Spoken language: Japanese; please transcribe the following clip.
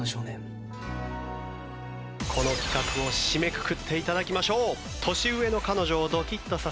この企画を締めくくって頂きましょう。